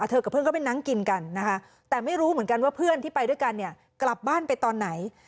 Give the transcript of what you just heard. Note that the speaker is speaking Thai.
กับเพื่อนก็ไปนั่งกินกันนะคะแต่ไม่รู้เหมือนกันว่าเพื่อนที่ไปด้วยกันเนี่ยกลับบ้านไปตอนไหน